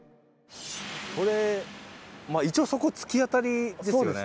これまあ一応そこ突き当たりですよね。